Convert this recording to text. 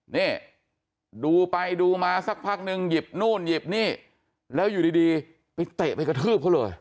นี่ดูไปดูมาสักพักนึงหยิบนู่นหยิบนี่แล้วอยู่ดีไปเตะไปกระทืบเขาเลย